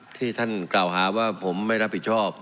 ที่ท่านกล่าวหาว่าผมไม่รับผิดชอบ